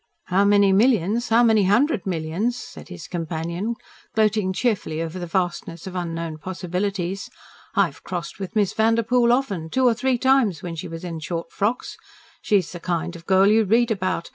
"How many millions. How many hundred millions!" said his companion, gloating cheerfully over the vastness of unknown possibilities. "I've crossed with Miss Vanderpoel often, two or three times when she was in short frocks. She's the kind of girl you read about.